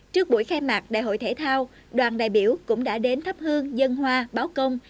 trước buổi khai mạc đại hội thể thao đoàn đại biểu cũng đã đến thắp hương dân hoa báo công